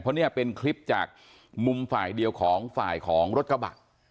เพราะเนี่ยเป็นคลิปจากมุมฝ่ายเดียวของฝ่ายของรถกระบะ